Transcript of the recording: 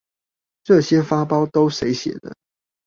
這些發包都誰寫的